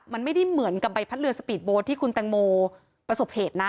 มันไม่ได้เหมือนกับใบพัดเรือสปีดโบ๊ทที่คุณแตงโมประสบเหตุนะ